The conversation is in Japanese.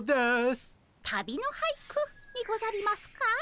旅の俳句にござりますか？